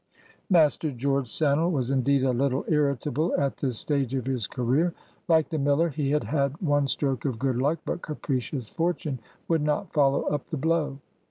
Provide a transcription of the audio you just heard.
Master George Sannel was indeed a little irritable at this stage of his career. Like the miller, he had had one stroke of good luck, but capricious fortune would not follow up the blow.